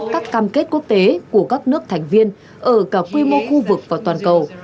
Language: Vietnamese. các cam kết quốc tế của các nước thành viên ở cả quy mô khu vực và toàn cầu